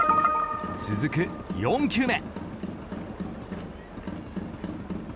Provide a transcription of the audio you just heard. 続く４球目。